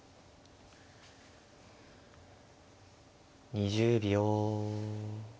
２０秒。